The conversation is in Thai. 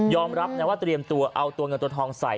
รับนะว่าเตรียมตัวเอาตัวเงินตัวทองใส่